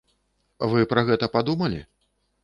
Вы пра гэта падумалі?